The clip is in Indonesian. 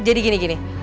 jadi gini gini